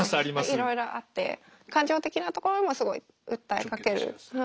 いろいろあって感情的なところもすごい訴えかける。